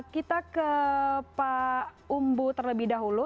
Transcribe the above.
kita ke pak umbu terlebih dahulu